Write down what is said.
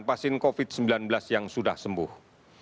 pasien covid sembilan belas yang sudah sembuh